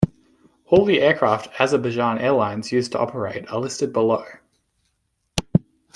All the aircraft Azerbaijan Airlines used to operate are listed below.